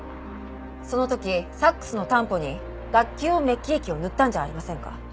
その時サックスのタンポに楽器用メッキ液を塗ったんじゃありませんか？